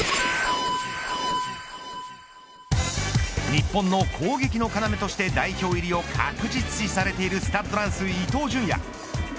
日本の攻撃の要として代表入りを確実視されているスタッドランス伊東純也。